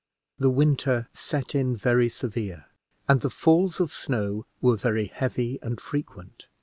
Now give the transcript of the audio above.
The winter set in very severe, and the falls of snow were very heavy and frequent.